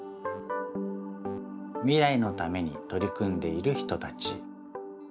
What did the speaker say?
未来のためにとりくんでいる人たち。